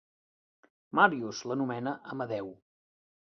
Marius l'anomena Amadeo.